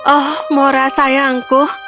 oh mora sayangku